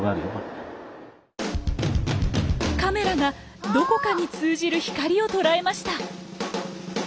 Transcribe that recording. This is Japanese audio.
カメラがどこかに通じる光を捉えました。